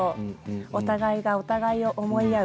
お互いがお互いを思う